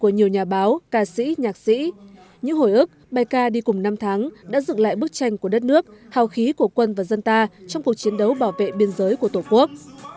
những hồi ước bài ca đi cùng năm tháng đã dựng lại bức tranh của đất nước hào khí của quân và dân ta trong cuộc chiến đấu bảo vệ biên giới của tổ quốc